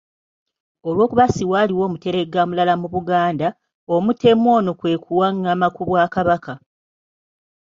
Olwokubanga siwaaliwo muteregga mulala mu Buganda, omutemu ono kwe kuwangama ku Bwakabaka.